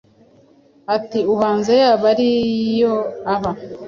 ati “Ubanza yaba ariyo aba”.